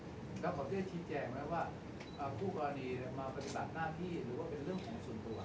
คู่กรณีมากฆิบัตนหน้าอีกหรือว่าเป็นเป็นเรื่องของสุดตัว